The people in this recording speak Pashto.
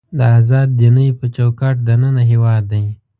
د ازاد دینۍ په چوکاټ دننه هېواد دی.